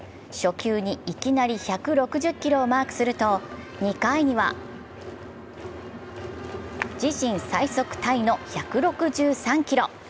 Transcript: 初球にいきなり１６０キロをマークすると２回には自身最速タイの１６３キロ！